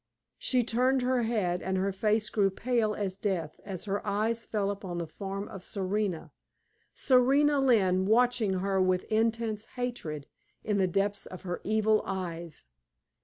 She turned her head, and her face grew pale as death as her eyes fell upon the form of Serena Serena Lynne watching her with intense hatred in the depths of her evil eyes.